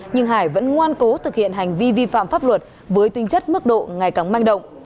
nhưng hải vẫn ngoan cố thực hiện hành vi vi phạm pháp luật với tinh chất mức độ ngày càng manh động